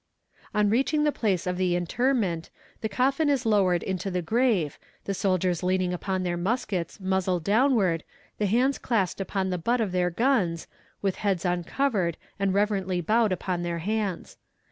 On reaching the place of interment the coffin is lowered into the grave, the soldiers leaning upon their muskets, muzzle downward, the hands clasped upon the butt of their guns, with heads uncovered and reverently bowed upon their hands.